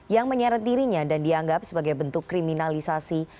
yang menyeret dirinya dan dianggap sebagai bentuk kriminalisasi